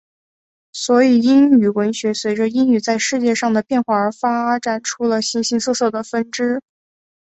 所以英语文学随着英语在世界上的变化而发展出了形形色色的分支。